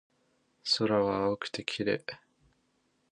空が青くて綺麗だ